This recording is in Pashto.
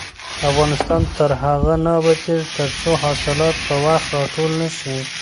افغانستان تر هغو نه ابادیږي، ترڅو حاصلات په وخت راټول نشي.